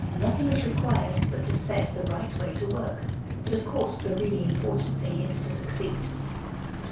Nothing is required but to set the right way to work, but of course the really important thing is to succeed.